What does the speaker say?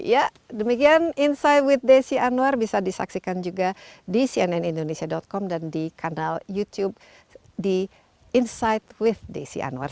ya demikian insight with desi anwar bisa disaksikan juga di cnnindonesia com dan di kanal youtube di insight with desi anwar